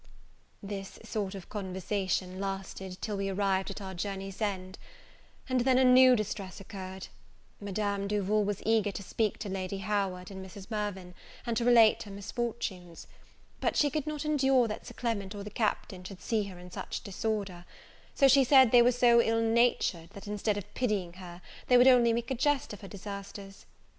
This sort of conversation lasted till we arrived at our journey's end; and then a new distress occurred: Madame Duval was eager to speak to Lady Lady Howard and Mrs. Mirvan, and to relate her misfortunes: but she could not endure that Sir Clement or the Captain should see her in such disorder; so she said they were so ill natured, that instead of pitying her, they would only make a jest of her disasters.